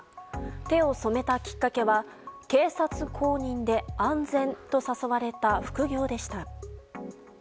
手を染めたきっかけは警察公認で安全と誘われた副業でした。